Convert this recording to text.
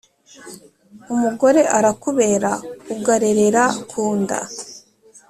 umugore arakubera ugarerera kunda